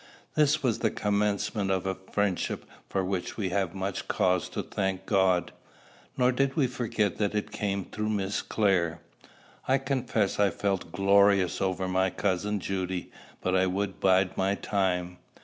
This was the commencement of a friendship for which we have much cause to thank God. Nor did we forget that it came through Miss Clare. I confess I felt glorious over my cousin Judy; but I would bide my time.